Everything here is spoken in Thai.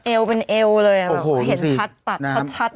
เอวเป็นเอวเลยอะหัวเห็นชัดชัด